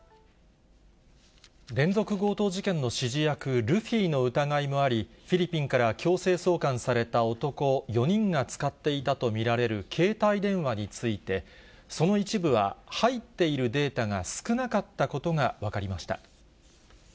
連続強盗事件の指示役、ルフィの疑いもあり、フィリピンから強制送還された男４人が使っていたと見られる携帯電話について、その一部は入っているデータが少なかったことが分かりました。